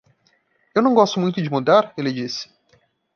"Eu não gosto muito de mudar?" ele disse.